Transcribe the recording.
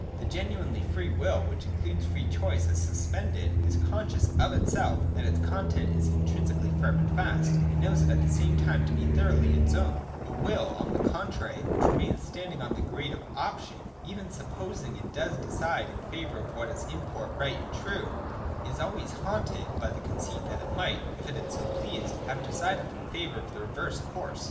The genuinely free will^ which includes free choice as sus jende^Tiscon scious to itself that its2£ontent_^ intrinsically^ firm and fast, and knows it at the same time to be thorouehlv jts^pwn, A will; "oil" the contrary, which remains standiiTg' on the grade of option, even supposing it does decide in favour of what is in import right and true, is always haunted by the conceit that it might, if it had so pleased, have decided in favour of the reverse course.